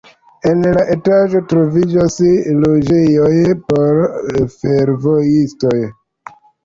En la etaĝo troviĝas loĝejoj por fervojistoj.